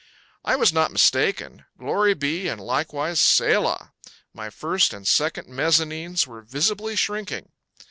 I was not mistaken. Glory be and likewise selah! My first and second mezzanines were visibly shrinking.